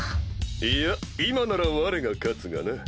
いや今ならわれが勝つがな。